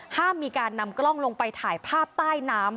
ห้ามมีการนำกล้องลงไปถ่ายภาพใต้น้ำ